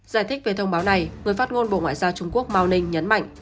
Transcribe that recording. giải thích về thông báo này người phát ngôn bộ ngoại giao trung quốc mao ninh nhấn mạnh